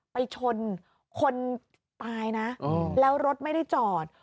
ไปชนคนตายนะแล้วรถไม่ได้จอด